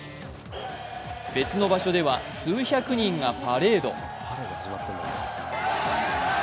別の場所では数百人がパレード。